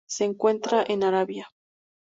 Se encuentra en Arabia.